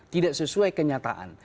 tidak sesuai kenyataan